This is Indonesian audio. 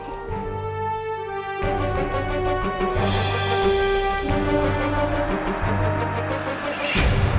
kau memang tidak bisa aku miliki